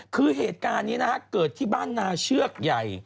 คือเหตุการณ์นี้นะฮะเกิดที่บ้านนาเชือกใหญ่